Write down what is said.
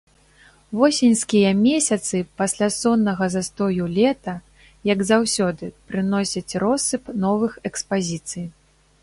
Восеньскія месяцы, пасля соннага застою лета, як заўсёды, прыносяць россып новых экспазіцый.